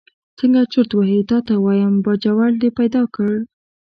څنګه چرت وهې تا ته وایم، باجوړ دې پیدا کړ.